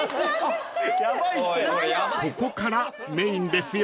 ［ここからメインですよ］